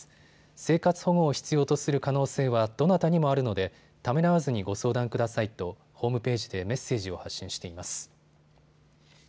生活保護を必要とする可能性はどなたにもあるのでためらわずにご相談くださいとホームページでメッセージを発信しています。